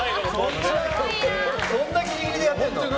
そんなギリギリでやってるの？